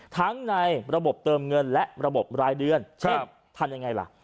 ในระบบเติมเงินและระบบรายเดือนเช่นทำยังไงล่ะ